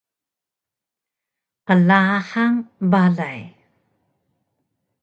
Qlahang balay!